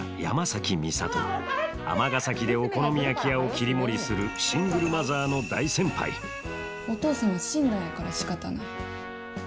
尼崎でお好み焼き屋を切り盛りするシングルマザーの大先輩お父さんは死んだんやからしかたない。